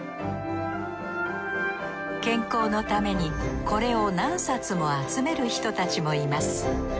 健康のためにこれを何冊も集める人たちもいます。